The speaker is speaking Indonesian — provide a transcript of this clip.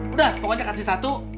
udah pokoknya kasih satu